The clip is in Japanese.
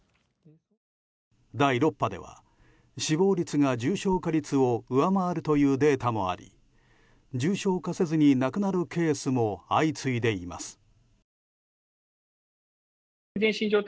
第６波では死亡率が重症化率を上回るというデータもあり重症化せずに亡くなるケースも相次いでいます。